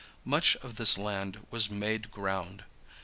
Much of this land was "made ground."